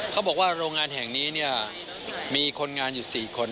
เขาบอกว่าโรงงานแห่งนี้เนี่ยมีคนงานอยู่๔คน